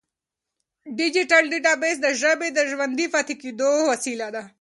ډیجیټل ډیټابیس د ژبې د ژوندي پاتې کېدو وسیله ده.